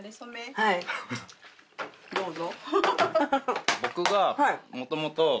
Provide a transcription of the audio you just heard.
どうぞ。